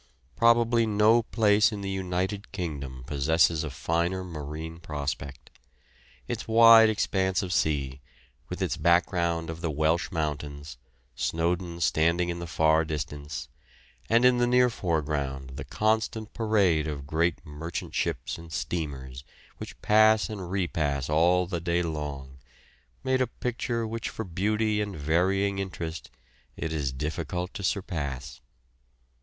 Probably no place in the United Kingdom possesses a finer marine prospect. Its wide expanse of sea, with its background of the Welsh mountains, Snowdon standing in the far distance, and in the near foreground the constant parade of great merchant ships and steamers, which pass and repass all the day long, make a picture which for beauty and varying interest it is difficult to surpass.